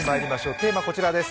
テーマこちらです。